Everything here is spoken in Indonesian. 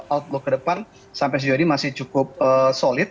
outlook ke depan sampai sejauh ini masih cukup solid